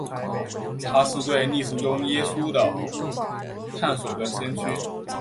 他是对历史中耶稣的探索的先驱。